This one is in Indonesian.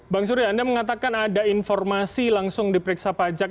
bang surya anda mengatakan ada informasi langsung diperiksa pajak